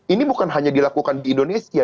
ini bukan hanya dilakukan di indonesia